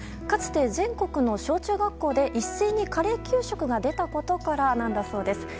かつて全国の小中学校で一斉にカレー給食が出たことからなんだそうです。